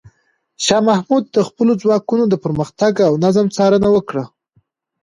شاه محمود د خپلو ځواکونو د پرمختګ او نظم څارنه وکړه.